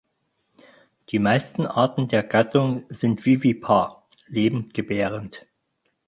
Die meisten Arten der Gattung sind vivipar (lebendgebärend).